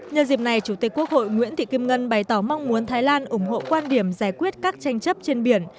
nhân dịp này chủ tịch quốc hội nguyễn thị kim ngân bày tỏ mong muốn thái lan ủng hộ quan điểm giải quyết các tranh chấp trên biển